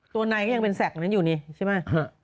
ตัวในก็ยังเป็นแสกนั้นอยู่นี่ใช่ไหม